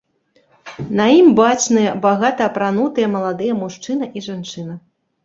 На ім бачныя багата апранутыя маладыя мужчына і жанчына.